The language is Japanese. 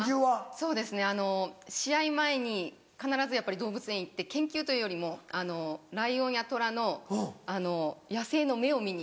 そうですね試合前に必ずやっぱり動物園行って研究というよりもライオンやトラの野性の目を見に。